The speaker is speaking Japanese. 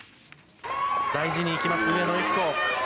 大事に行きます上野由岐子。